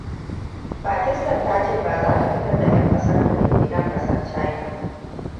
Pakistan tace baza ta fitar da yan kasar ta dake nan kasar China.